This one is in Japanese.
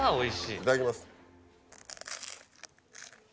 いただきます。